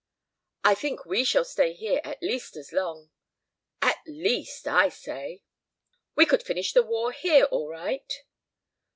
"I think we shall stay here at least as long at least, I say." "We could finish the war here all right."